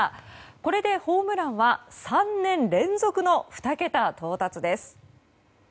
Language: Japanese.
これでホームランは３年連続の２桁到達です。